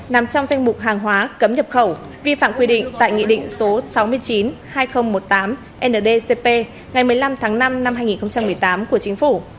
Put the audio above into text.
nằm trong danh mục hàng hóa cấm nhập khẩu vi phạm quy định tại nghị định số sáu mươi chín hai nghìn một mươi tám ndcp ngày một mươi năm tháng năm năm hai nghìn một mươi tám của chính phủ